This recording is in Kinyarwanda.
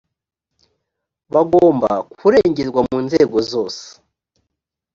bangomba kurengerwa mu nzego zose.